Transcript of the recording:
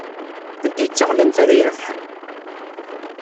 Anta ay d taɣlamt ara irebḥen?